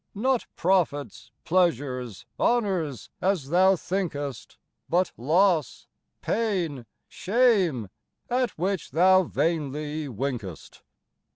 Not profits, pleasures, honours, as thou thinkest ; But losse, pain, shame, at which thou vainly winkest.